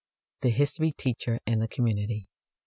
THE HISTORY TEACHER AND THE COMMUNITY.